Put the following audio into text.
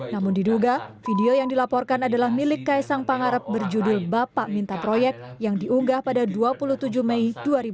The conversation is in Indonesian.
namun diduga video yang dilaporkan adalah milik kaisang pangarep berjudul bapak minta proyek yang diunggah pada dua puluh tujuh mei dua ribu dua puluh